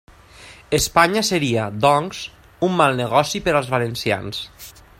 Espanya seria, doncs, un «mal negoci» per als valencians.